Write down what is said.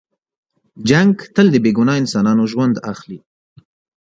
جنګ تل د بې ګناه انسانانو ژوند اخلي.